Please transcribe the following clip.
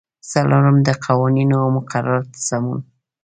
څلورم: د قوانینو او مقرراتو سمون.